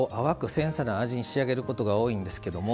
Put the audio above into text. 繊細な味に仕上げることが多いんですけども。